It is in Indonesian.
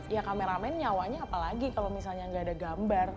ya kameramen nyawanya apalagi kalau misalnya nggak ada gambar